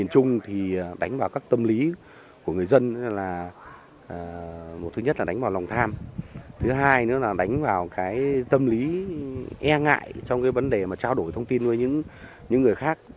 các tâm lý của người dân là một thứ nhất là đánh vào lòng tham thứ hai nữa là đánh vào cái tâm lý e ngại trong cái vấn đề mà trao đổi thông tin với những người khác